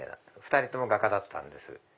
２人とも画家だったんです。